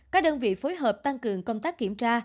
các đơn vị phối hợp tăng cường công tác kiểm tra